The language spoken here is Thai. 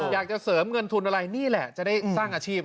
อยากจะเสริมเงินทุนอะไรนี่แหละจะได้สร้างอาชีพ